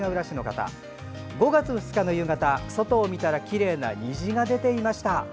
５月２日の夕方、外を見たらきれいな虹が出ていました。